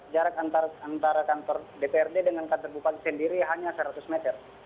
jarak antara kantor dprd dengan kantor bupati sendiri hanya seratus meter